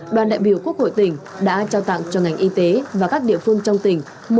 đoàn đại biểu quốc hội tỉnh đã trao tặng cho ngành y tế và các địa phương trong tỉnh